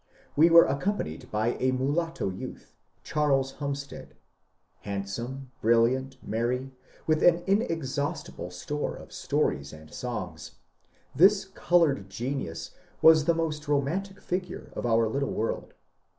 We were accompanied by a mulatto youtb, Cbarles Humstead. Handsome, brilliant, merry, witb an inezbaustible store of stories and songs, tbis coloured genius was tbe most romantic figure of our little world.